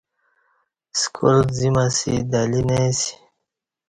سکال زیم اسی دہ لی نہ اسی